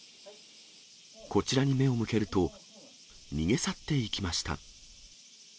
こちらに目を向けると、逃げ去っていきました。